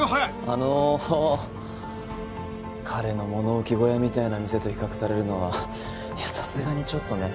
あの彼の物置小屋みたいな店と比較されるのはさすがにちょっとね。